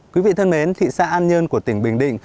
quý vị thân mến thị xã an nhơn của tỉnh bình định